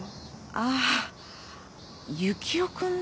あっユキオ君ね。